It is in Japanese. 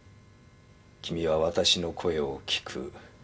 君はわたしの声を聞く。